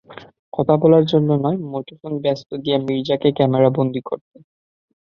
কথা বলার জন্য নয়, মুঠোফোন ব্যস্ত দিয়া মির্জাকে ক্যামেরার বন্দী করতে।